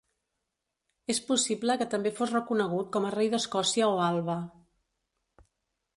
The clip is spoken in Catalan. És possible que també fos reconegut com a rei d'Escòcia o Alba.